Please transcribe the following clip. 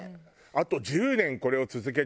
あと１０年これを続けちゃう。